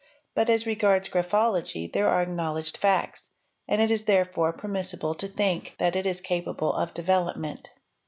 But as regards graphology there are acknowledged facts, and it is therefore permissible : a3 _ to think that it is capable of development.